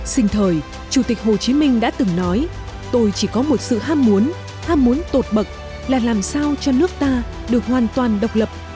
sinh thời chủ tịch hồ chí minh đã từng nói tôi chỉ có một sự ham muốn ham muốn tột bậc là làm sao cho nước ta được hoàn toàn độc lập